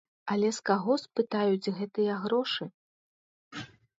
Але з каго спытаюць гэтыя грошы?